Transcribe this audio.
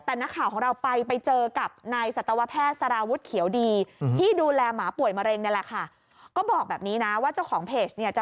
แต่นักข่าวของเราไปไปเจอกับนายสัตวแพทย์สาราวุฒิเขียวดีที่ดูแลหมาป่วยมาเร็งนี่แหละค่ะ